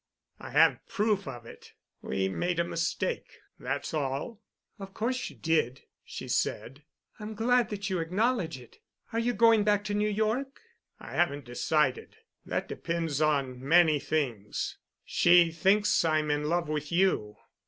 I have proof of it. We made a mistake, that's all." "Of course you did," she said. "I'm glad that you acknowledge it. Are you going back to New York?" "I haven't decided. That depends on many things. She thinks I'm in love with you."